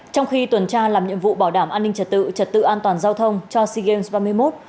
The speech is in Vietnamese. trong khi tuần tra làm nhiệm vụ bảo đảm an ninh trật tự trật tự an toàn giao thông cho sea games ba mươi một